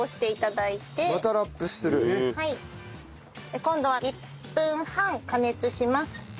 で今度は１分半加熱します。